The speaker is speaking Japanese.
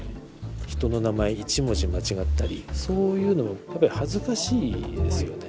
人の名前一文字間違ったりそういうのが恥ずかしいですよね。